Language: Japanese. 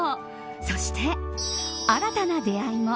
そして、新たな出会いも。